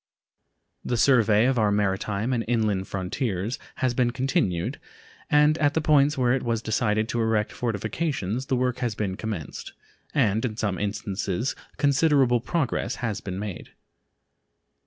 The survey of our maritime and inland frontiers has been continued, and at the points where it was decided to erect fortifications the work has been commenced, and in some instances considerable progress has been made.